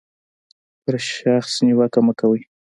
پر شخص نیوکه مه کوئ.